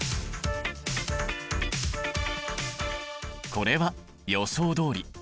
これは予想どおり。